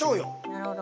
なるほど。